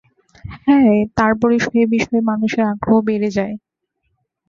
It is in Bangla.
হ্যাঁ, তারপরই সেবিষয়ে মানুষের আগ্রহ বেড়ে যায়।